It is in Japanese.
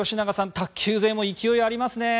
卓球勢も勢いがありますね。